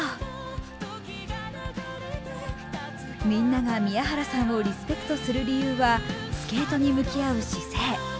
みんなが宮原さんをリスペクトする理由はスケートに向き合う姿勢。